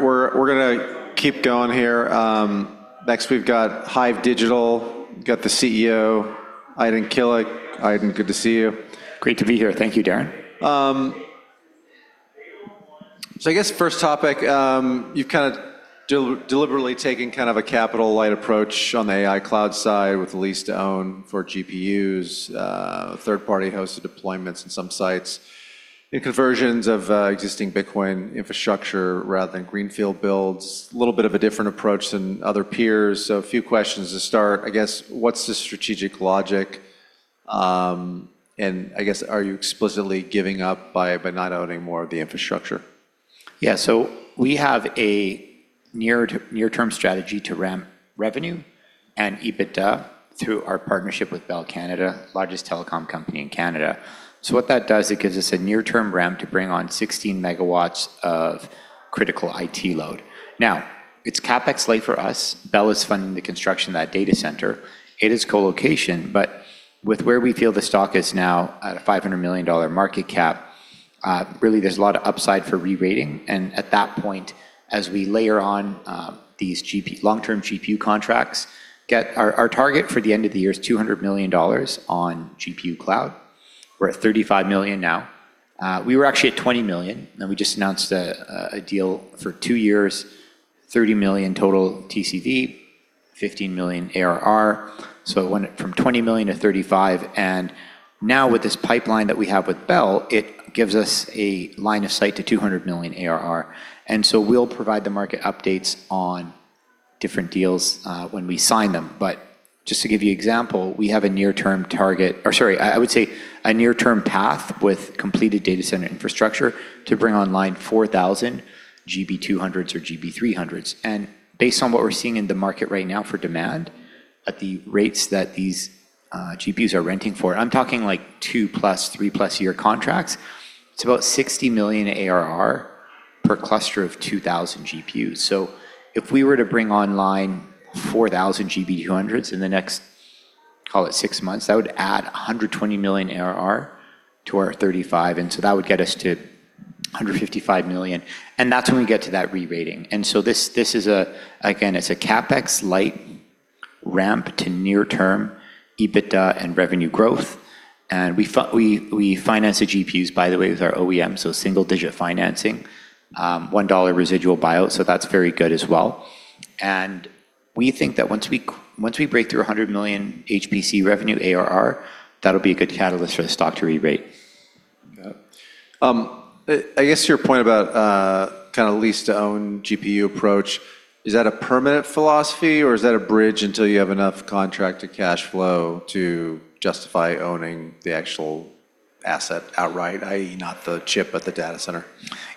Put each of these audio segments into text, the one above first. All right. We're going to keep going here. Next we've got HIVE Digital. Got the CEO, Aydin Kilic. Aydin, good to see you. Great to be here. Thank you, Darren. I guess first topic, you've deliberately taken a capital light approach on the AI cloud side with lease-to-own for GPUs, third-party hosted deployments in some sites, and conversions of existing Bitcoin infrastructure rather than greenfield builds. Little bit of a different approach than other peers. A few questions to start. I guess, what's the strategic logic? I guess, are you explicitly giving up by not owning more of the infrastructure? Yeah. We have a near-term strategy to ramp revenue and EBITDA through our partnership with Bell Canada, largest telecom company in Canada. What that does, it gives us a near-term ramp to bring on 16 MW of critical IT load. Now, it's CapEx light for us. Bell is funding the construction of that data center. It is co-location, but with where we feel the stock is now at a $500 million market cap, really there's a lot of upside for re-rating, and at that point, as we layer on these long-term GPU contracts, our target for the end of the year is $200 million on GPU cloud. We're at $35 million now. We were actually at $20 million, then we just announced a deal for 2 years, $30 million total TCV, $15 million ARR. It went from 20 million to 35 million, now with this pipeline that we have with Bell, it gives us a line of sight to 200 million ARR. We'll provide the market updates on different deals when we sign them. Just to give you example, we have a near-term target, or sorry, I would say a near-term path with completed data center infrastructure to bring online 4,000 GB200s or GB300s. Based on what we're seeing in the market right now for demand at the rates that these GPUs are renting for, I'm talking two-plus, three-plus year contracts, it's about 60 million ARR per cluster of 2,000 GPUs. If we were to bring online 4,000 GB200s in the next, call it six months, that would add 120 million ARR to our 35 million, that would get us to 155 million. That's when we get to that re-rating. This is, again, it's a CapEx-light ramp to near-term EBITDA and revenue growth. We finance the GPUs, by the way, with our OEM, single-digit financing, 1 dollar residual buyout, that's very good as well. We think that once we break through 100 million HPC revenue ARR, that'll be a good catalyst for the stock to re-rate. Yeah. I guess your point about lease-to-own GPU approach, is that a permanent philosophy or is that a bridge until you have enough contracted cash flow to justify owning the actual asset outright, i.e. not the chip but the data center?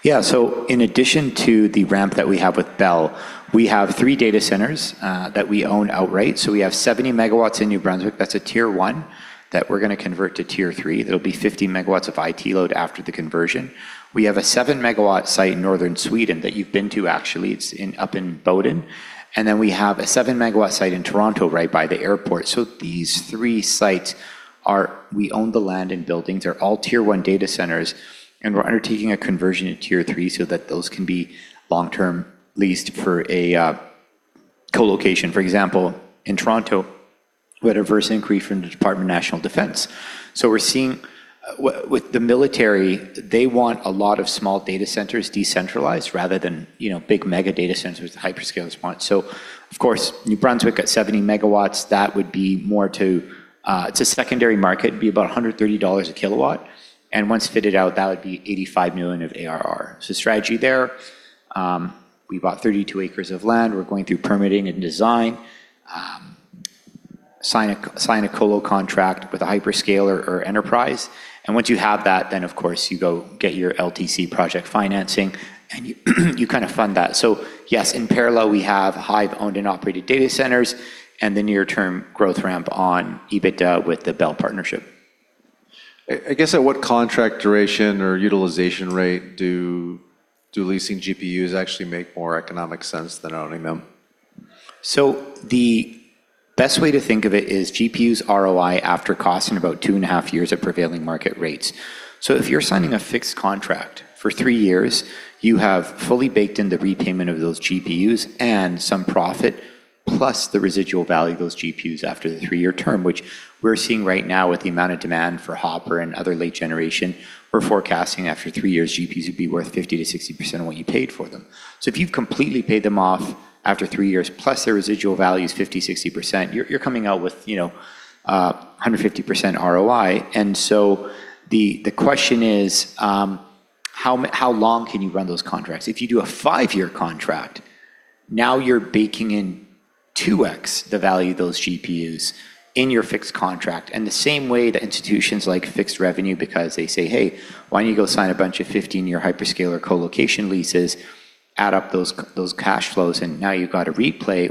Yeah. In addition to the ramp that we have with Bell, we have three data centers that we own outright. We have 70 MW in New Brunswick. That's a Tier 1 that we're going to convert to Tier 3. There'll be 50 MW of IT load after the conversion. We have a seven-megawatt site in northern Sweden that you've been to, actually. It's up in Boden. We have a seven-megawatt site in Toronto, right by the airport. These three sites. We own the land and buildings. They're all Tier 1 data centers, and we're undertaking a conversion to Tier 3 so that those can be long-term leased for a co-location. For example, in Toronto, we had a reverse inquiry from the Department of National Defence. We're seeing with the military, they want a lot of small data centers decentralized rather than big mega data centers with hyperscale spots. Of course, New Brunswick at 70 MW, it's a secondary market. It'd be about $130 a kilowatt. Once fitted out, that would be $85 million of ARR. Strategy there, we bought 32 acres of land. We're going through permitting and design. Sign a co-lo contract with a hyperscaler or enterprise. Once you have that, then of course you go get your LTC project financing and you fund that. Yes, in parallel, we have HIVE owned and operated data centers and the near-term growth ramp on EBITDA with the Bell partnership. I guess at what contract duration or utilization rate do leasing GPUs actually make more economic sense than owning them? The best way to think of it is GPUs ROI after cost in about two and a half years at prevailing market rates. If you're signing a fixed contract for three years, you have fully baked in the repayment of those GPUs and some profit, plus the residual value of those GPUs after the three-year term, which we're seeing right now with the amount of demand for Hopper and other late generation. We're forecasting after three years, GPUs would be worth 50%-60% of what you paid for them. If you've completely paid them off after three years, plus their residual value is 50%, 60%, you're coming out with 150% ROI. The question is, how long can you run those contracts? If you do a five-year contract, now you're baking in 2x the value of those GPUs in your fixed contract. The same way that institutions like fixed revenue because they say, "Hey, why don't you go sign a bunch of 15-year hyperscaler co-location leases, add up those cash flows, and now you've got a replay."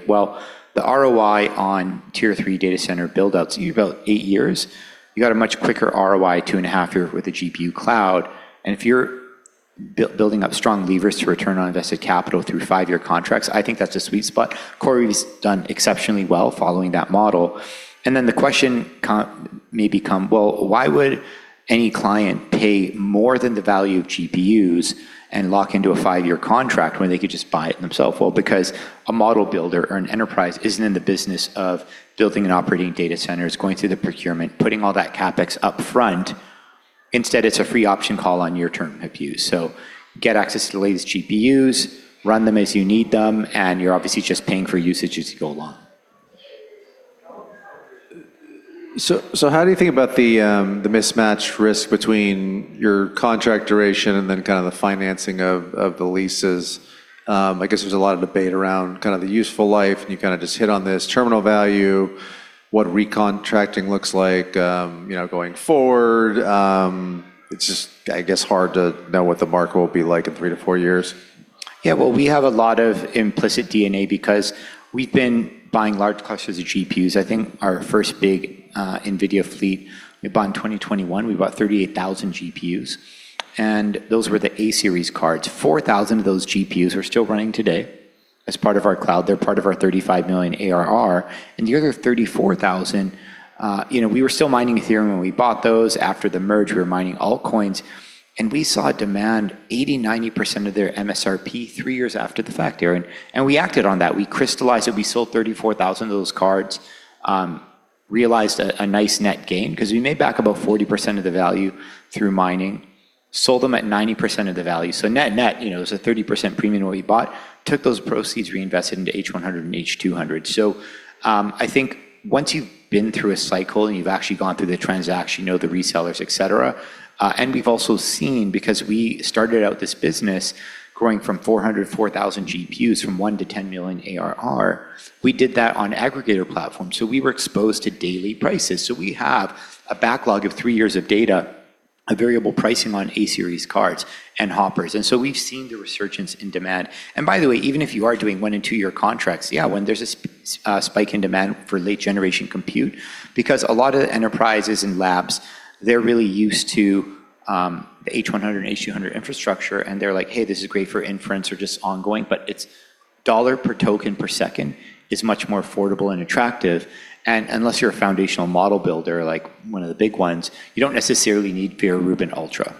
The ROI on Tier 3 data center build-outs, you've about eight years. You got a much quicker ROI, two and a half years with a GPU cloud. If you're building up strong levers to return on invested capital through five-year contracts, I think that's a sweet spot. Corey's done exceptionally well following that model. The question may become, well, why would any client pay more than the value of GPUs and lock into a five-year contract when they could just buy it themself? Well, because a model builder or an enterprise isn't in the business of building and operating data centers, going through the procurement, putting all that CapEx up front. Instead, it's a free option call on your term of use. Get access to the latest GPUs, run them as you need them, and you're obviously just paying for usage as you go along. How do you think about the mismatch risk between your contract duration and then the financing of the leases? I guess there's a lot of debate around the useful life, and you just hit on this terminal value, what recontracting looks like going forward. It's just, I guess, hard to know what the market will be like in three to four years. Yeah. Well, we have a lot of implicit DNA because we've been buying large clusters of GPUs. I think our first big NVIDIA fleet we bought in 2021. We bought 38,000 GPUs, and those were the A-series cards. 4,000 of those GPUs are still running today as part of our cloud. They're part of our $35 million ARR, and the other 34,000, we were still mining Ethereum when we bought those. After the merge, we were mining altcoins, and we saw a demand 80%, 90% of their MSRP three years after the fact, Darren, and we acted on that. We crystallized it. We sold 34,000 of those cards, realized a nice net gain because we made back about 40% of the value through mining, sold them at 90% of the value. Net, it was a 30% premium on what we bought, took those proceeds, reinvested into H100 and H200. I think once you've been through a cycle and you've actually gone through the transaction, you know the resellers, et cetera. We've also seen, because we started out this business growing from 400, 4,000 GPUs from $1 million to $10 million ARR. We did that on aggregator platforms. We were exposed to daily prices. We have a backlog of three years of data of variable pricing on A-series cards and Hopper. We've seen the resurgence in demand. By the way, even if you are doing one and two-year contracts, yeah, when there's a spike in demand for late-generation compute, because a lot of enterprises and labs, they're really used to the H100 and H200 infrastructure, and they're like, "Hey, this is great for inference or just ongoing," but it's $ per token per second is much more affordable and attractive. Unless you're a foundational model builder, like one of the big ones, you don't necessarily need pure Rubin Ultra.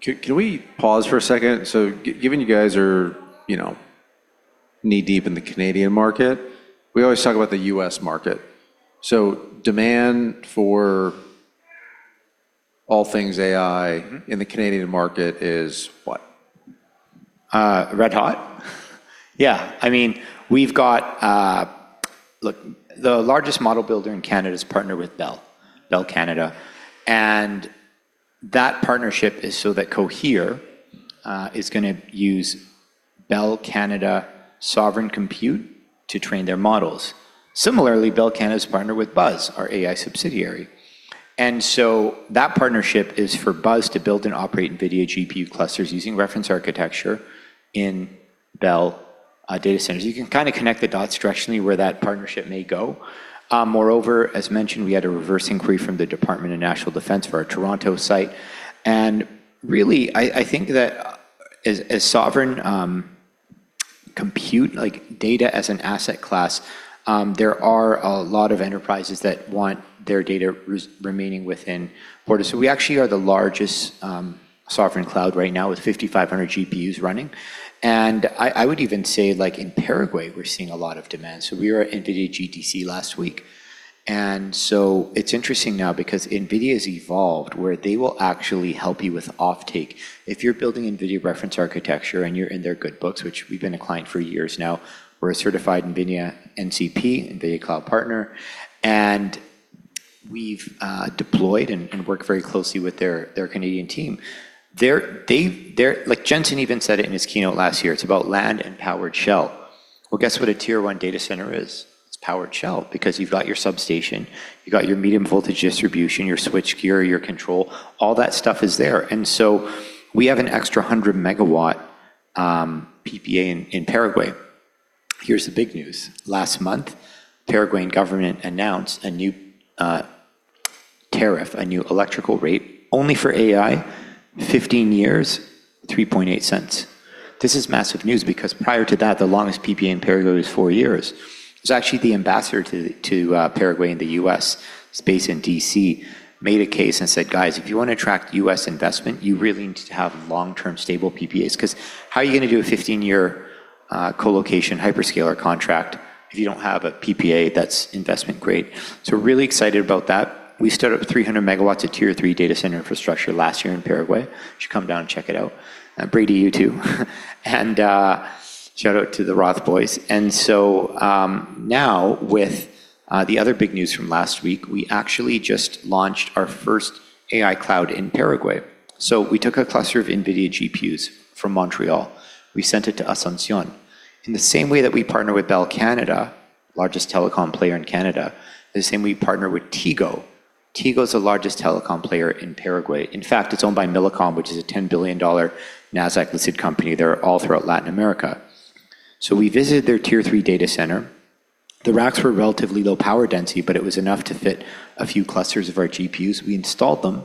Can we pause for a second? Given you guys are knee-deep in the Canadian market, we always talk about the U.S. market. Demand for all things AI in the Canadian market is what? Red hot? Look, the largest model builder in Canada is partnered with Bell Canada. That partnership is so that Cohere is going to use Bell Canada Sovereign Compute to train their models. Similarly, Bell Canada is partnered with BUZZ High Performance Computing, our AI subsidiary. That partnership is for BUZZ High Performance Computing to build and operate NVIDIA GPU clusters using reference architecture in Bell data centers. You can connect the dots directionally where that partnership may go. Moreover, as mentioned, we had a reverse inquiry from the Department of National Defence for our Toronto site. Really, I think that as Sovereign Compute, like data as an asset class, there are a lot of enterprises that want their data remaining within borders. We actually are the largest sovereign cloud right now with 5,500 GPUs running. I would even say, like in Paraguay, we're seeing a lot of demand. We were at NVIDIA GTC last week. It's interesting now because NVIDIA's evolved where they will actually help you with offtake. If you're building NVIDIA reference architecture and you're in their good books, which we've been a client for years now, we're a certified NVIDIA NCP, NVIDIA cloud partner, and we've deployed and work very closely with their Canadian team. Jensen even said it in his keynote last year. It's about land and powered shell. Well, guess what a Tier 1 data center is? It's powered shell because you've got your substation, you got your medium voltage distribution, your switch gear, your control. All that stuff is there. We have an extra 100 MW PPA in Paraguay. Here's the big news. Last month, Paraguayan government announced a new tariff, a new electrical rate only for AI, 15 years, 0.038. This is massive news because prior to that, the longest PPA in Paraguay was four years. It was actually the ambassador to Paraguay in the U.S. space in D.C., made a case and said, "Guys, if you want to attract U.S. investment, you really need to have long-term stable PPAs." How are you going to do a 15-year colocation hyperscaler contract if you don't have a PPA that's investment grade? We're really excited about that. We stood up 300 megawatts of Tier 3 data center infrastructure last year in Paraguay. You should come down and check it out. Brady, you too. Shout out to the Roth boys. Now with the other big news from last week, we actually just launched our first AI cloud in Paraguay. We took a cluster of NVIDIA GPUs from Montreal. We sent it to Asunción. In the same way that we partner with Bell Canada, largest telecom player in Canada, the same way we partner with Tigo. Tigo is the largest telecom player in Paraguay. In fact, it's owned by Millicom, which is a $10 billion NASDAQ-listed company. They're all throughout Latin America. We visited their Tier 3 data center. The racks were relatively low power density, but it was enough to fit a few clusters of our GPUs. We installed them.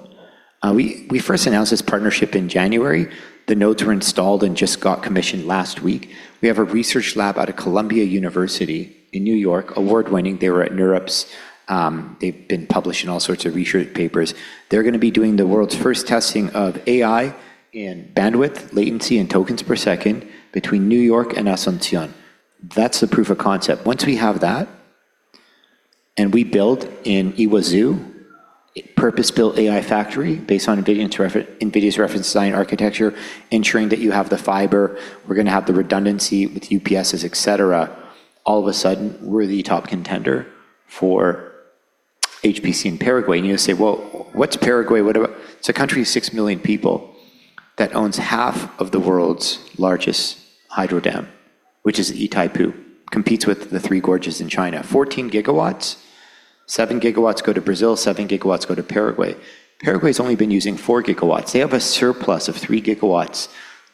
We first announced this partnership in January. The nodes were installed and just got commissioned last week. We have a research lab out of Columbia University in New York, award-winning. They were at NeurIPS. They've been published in all sorts of research papers. They're going to be doing the world's first testing of AI in bandwidth, latency, and tokens per second between New York and Asunción. That's the proof of concept. Once we have that, we build in Iguazú, a purpose-built AI factory based on NVIDIA's reference design architecture, ensuring that you have the fiber, we're going to have the redundancy with UPS's, et cetera. All of a sudden, we're the top contender for HPC in Paraguay. You say, "Well, what's Paraguay? What about" It's a country of six million people that owns half of the world's largest hydro dam, which is Itaipu. Competes with the Three Gorges in China. 14 gigawatts, seven gigawatts go to Brazil, seven gigawatts go to Paraguay. Paraguay's only been using four gigawatts. They have a surplus of three gigawatts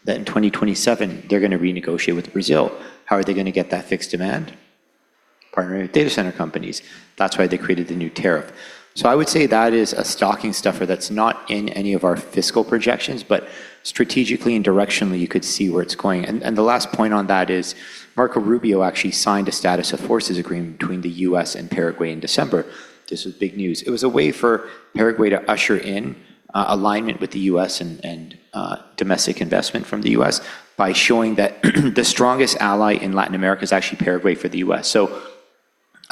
that in 2027 they're going to renegotiate with Brazil. How are they going to get that fixed demand? Partnering with data center companies. That's why they created the new tariff. I would say that is a stocking stuffer that's not in any of our fiscal projections, but strategically and directionally, you could see where it's going. The last point on that is Marco Rubio actually signed a status of forces agreement between the U.S. and Paraguay in December. This was big news. It was a way for Paraguay to usher in alignment with the U.S. and domestic investment from the U.S. by showing that the strongest ally in Latin America is actually Paraguay for the U.S.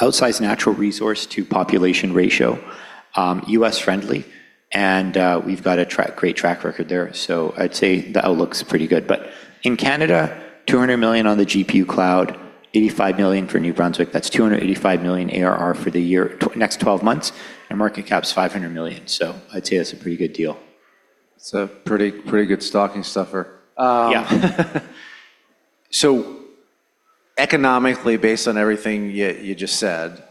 Outsized natural resource to population ratio, U.S. friendly, we've got a great track record there. I'd say the outlook's pretty good. In Canada, $200 million on the GPU cloud, $85 million for New Brunswick. That's $285 million ARR for the year, next 12 months, and market cap's $500 million. I'd say that's a pretty good deal. It's a pretty good stocking stuffer. Yeah. Economically, based on everything you just said,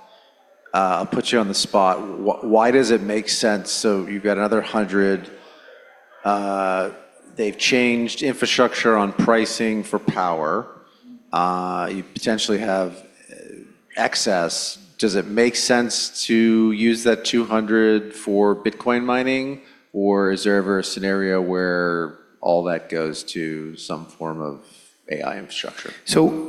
I'll put you on the spot. Why does it make sense? You've got another 100, they've changed infrastructure on pricing for power. You potentially have excess. Does it make sense to use that 200 for Bitcoin mining? Or is there ever a scenario where all that goes to some form of AI infrastructure?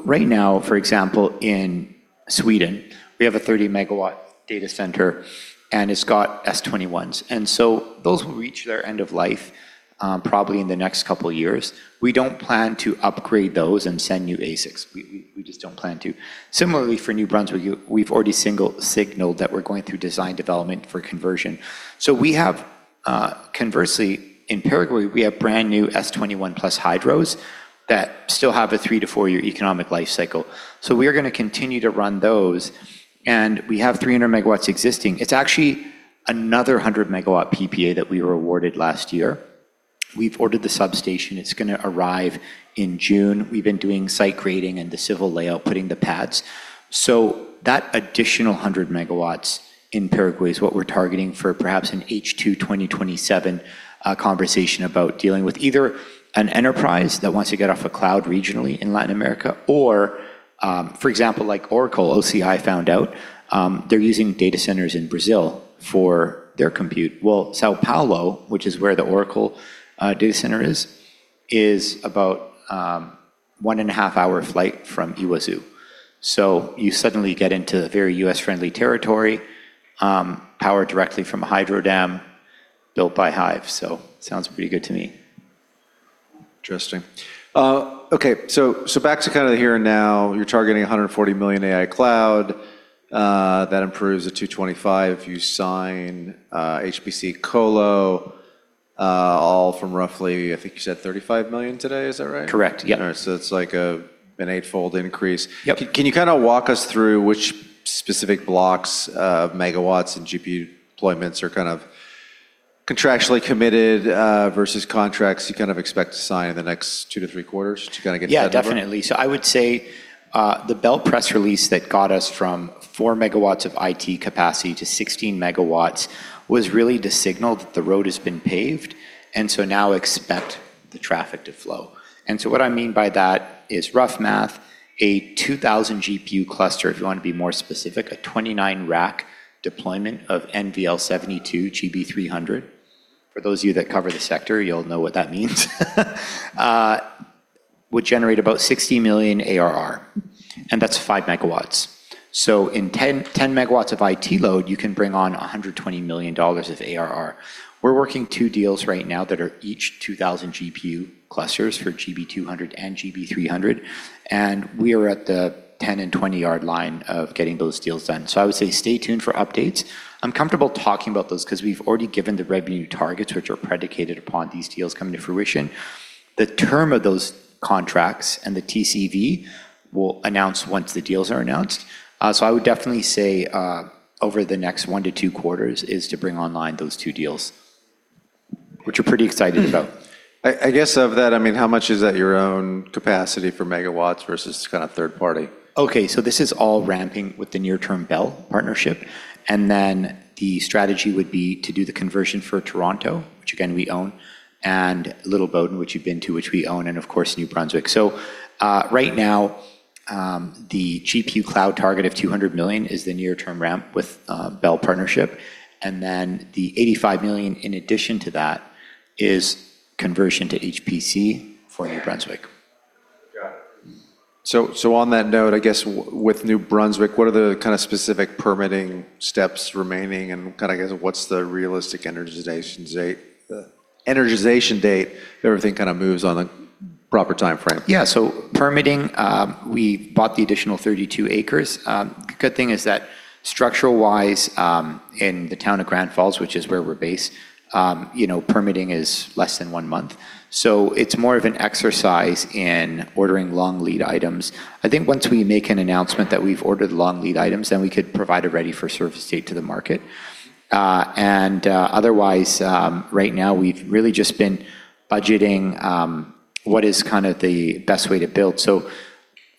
Right now, for example, in Sweden, we have a 30-megawatt data center, and it's got S21s. Those will reach their end of life probably in the next couple of years. We don't plan to upgrade those and send you ASICs. We just don't plan to. Similarly, for New Brunswick, we've already signaled that we're going through design development for conversion. We have, conversely, in Paraguay, we have brand new S21+ Hydros that still have a three to four-year economic life cycle. We're going to continue to run those, and we have 300 megawatts existing. It's actually another 100-megawatt PPA that we were awarded last year. We've ordered the substation. It's going to arrive in June. We've been doing site grading and the civil layout, putting the pads. That additional 100 megawatts in Paraguay is what we're targeting for perhaps an H2 2027 conversation about dealing with either an enterprise that wants to get off a cloud regionally in Latin America, or, for example, like Oracle, OCI found out, they're using data centers in Brazil for their compute. São Paulo, which is where the Oracle data center is about one and a half-hour flight from Iguazú. You suddenly get into very U.S.-friendly territory, powered directly from a hydro dam built by HIVE. Sounds pretty good to me. Interesting. Okay, back to kind of the here and now. You're targeting $140 million AI cloud. That improves to $225 million if you sign HPC Colo, all from roughly, I think you said $35 million today, is that right? Correct. Yep. All right. It's like an eightfold increase. Yep. Can you kind of walk us through which specific blocks of megawatts and GPU deployments are kind of contractually committed versus contracts you kind of expect to sign in the next two to three quarters to kind of get to that number? Yeah, definitely. I would say the Bell press release that got us from four megawatts of IT capacity to 16 megawatts was really to signal that the road has been paved, and now expect the traffic to flow. What I mean by that is rough math, a 2,000 GPU cluster, if you want to be more specific, a 29 rack deployment of GB200 NVL72 GB 300. For those of you that cover the sector, you'll know what that means. Would generate about $60 million ARR, and that's five megawatts. In 10 megawatts of IT load, you can bring on $120 million of ARR. We're working two deals right now that are each 2,000 GPU clusters for GB200 and GB 300, and we are at the 10 and 20 yard line of getting those deals done. I would say stay tuned for updates. I'm comfortable talking about those because we've already given the revenue targets, which are predicated upon these deals coming to fruition. The term of those contracts and the TCV we'll announce once the deals are announced. I would definitely say over the next one to two quarters is to bring online those two deals, which we're pretty excited about. I guess of that, how much is at your own capacity for megawatts versus kind of third party? This is all ramping with the near-term Bell partnership, and then the strategy would be to do the conversion for Toronto, which again, we own, and Boden, which you've been to, which we own, and of course, New Brunswick. Right now the GPU cloud target of $200 million is the near-term ramp with Bell partnership, and then the $85 million in addition to that is conversion to HPC for New Brunswick. Got it. On that note, I guess with New Brunswick, what are the specific permitting steps remaining and what's the realistic energization date if everything moves on a proper timeframe? Yeah. Permitting, we bought the additional 32 acres. Good thing is that structural-wise, in the town of Grand Falls, which is where we're based, permitting is less than one month. It's more of an exercise in ordering long lead items. I think once we make an announcement that we've ordered long lead items, then we could provide a ready-for-service date to the market. Otherwise, right now we've really just been budgeting what is the best way to build.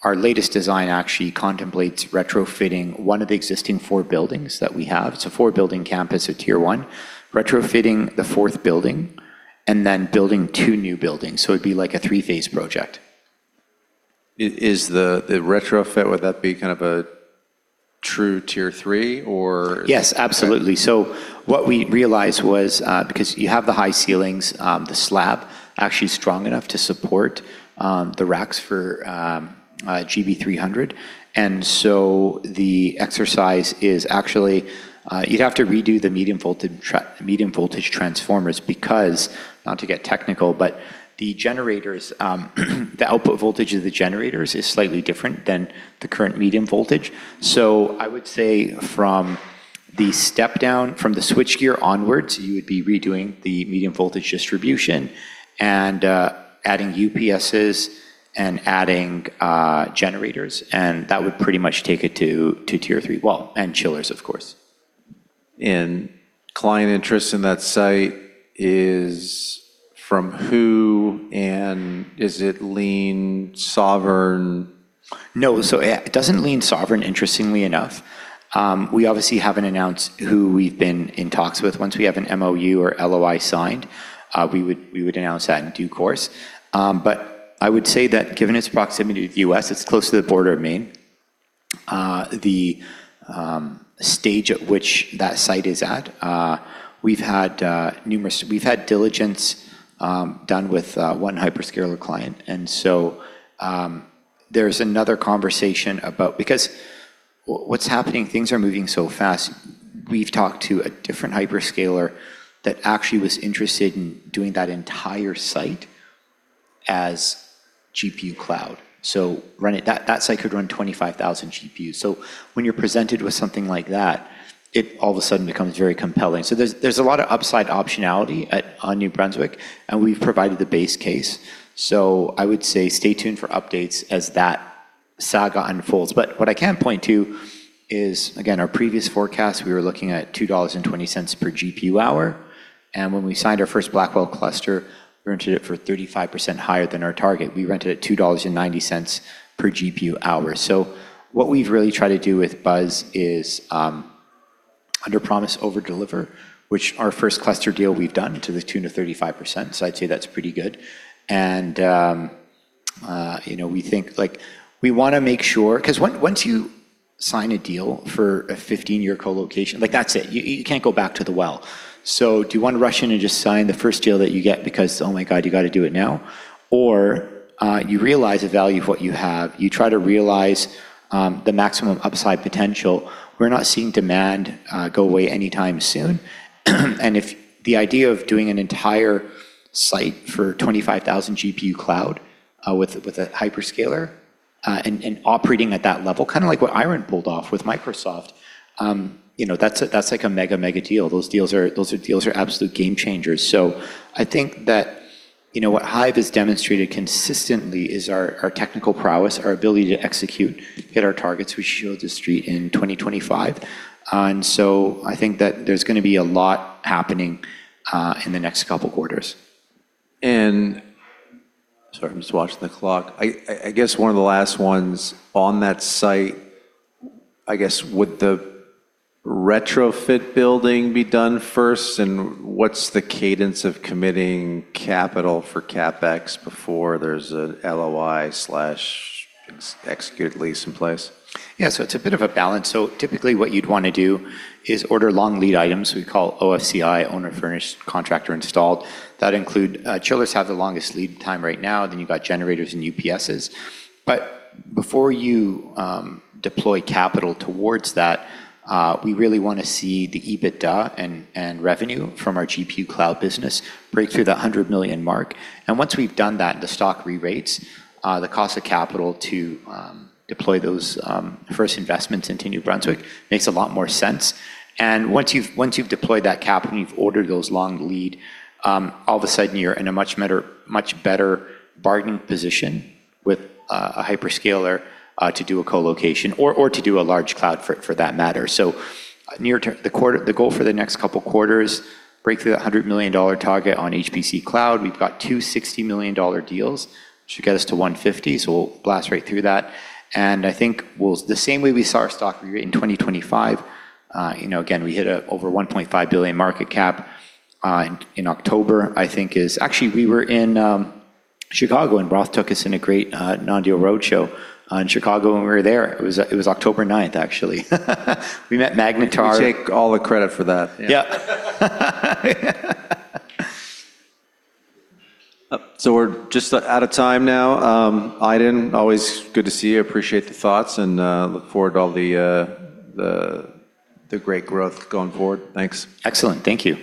Our latest design actually contemplates retrofitting one of the existing four buildings that we have. It's a four-building campus at tier 1, retrofitting the fourth building and then building two new buildings. It'd be like a three-phase project. Is the retrofit, would that be a true tier 3, or? Yes, absolutely. What we realized was, because you have the high ceilings, the slab actually is strong enough to support the racks for GB300. The exercise is actually, you'd have to redo the medium voltage transformers because, not to get technical, but the output voltage of the generators is slightly different than the current medium voltage. I would say from the step down from the switchgear onwards, you would be redoing the medium voltage distribution and adding UPSs and adding generators, and that would pretty much take it to tier 3. Well, and chillers, of course. client interest in that site is from who and is it lean sovereign? it doesn't lean sovereign, interestingly enough. We obviously haven't announced who we've been in talks with. Once we have an MOU or LOI signed, we would announce that in due course. I would say that given its proximity to the U.S., it's close to the border of Maine. The stage at which that site is at, we've had diligence done with one hyperscaler client. There's another conversation. Things are moving so fast. We've talked to a different hyperscaler that actually was interested in doing that entire site as GPU cloud. That site could run 25,000 GPUs. When you're presented with something like that, it all of a sudden becomes very compelling. There's a lot of upside optionality on New Brunswick, and we've provided the base case. I would say stay tuned for updates as that saga unfolds. what I can point to is, again, our previous forecast, we were looking at $2.20 per GPU hour, and when we signed our first Blackwell cluster, we rented it for 35% higher than our target. We rented at $2.90 per GPU hour. What we've really tried to do with BUZZ is, underpromise, overdeliver, which our first cluster deal we've done to the tune of 35%, I'd say that's pretty good. We think, we want to make sure, because once you sign a deal for a 15-year co-location, that's it. You can't go back to the well. Do you want to rush in and just sign the first deal that you get because, oh my god, you got to do it now? You realize the value of what you have, you try to realize the maximum upside potential. We're not seeing demand go away anytime soon. If the idea of doing an entire site for 25,000 GPU cloud with a hyperscaler, and operating at that level, kind of like what IREN pulled off with Microsoft, that's like a mega deal. Those deals are absolute game changers. I think that what HIVE has demonstrated consistently is our technical prowess, our ability to execute, hit our targets. We shield the street in 2025. I think that there's going to be a lot happening in the next couple quarters. Sorry, I'm just watching the clock. I guess one of the last ones on that site, would the retrofit building be done first, and what's the cadence of committing capital for CapEx before there's an LOI/executed lease in place? It's a bit of a balance. Typically what you'd want to do is order long lead items. We call OFCI, owner furnished contractor installed. That include, chillers have the longest lead time right now, then you've got generators and UPSs. Before you deploy capital towards that, we really want to see the EBITDA and revenue from our GPU cloud business break through that $100 million mark. Once we've done that, the stock re-rates, the cost of capital to deploy those first investments into New Brunswick makes a lot more sense. Once you've deployed that capital and you've ordered those long lead, all of a sudden you're in a much better bargaining position with a hyperscaler, to do a co-location or to do a large cloud, for that matter. Near-term, the goal for the next couple quarters, break through that $100 million target on HPC cloud. We've got two $60 million deals, should get us to $150 million, we'll blast right through that. I think the same way we saw our stock re-rate in 2025, again, we hit a over $1.5 billion market cap in October. Actually, we were in Chicago, and Roth took us in a great non-deal roadshow in Chicago when we were there. It was October 9th, actually. We met Magnetar. We take all the credit for that. Yeah. we're just out of time now. Aydin, always good to see you. Appreciate the thoughts and look forward to all the great growth going forward. Thanks. Excellent. Thank you